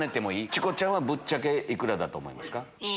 チコちゃんはぶっちゃけ幾らだと思いますか？